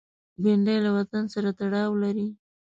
بېنډۍ له وطن سره تړاو لري